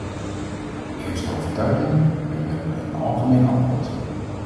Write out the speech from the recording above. Eerste overtuiging: wij willen een algemeen akkoord.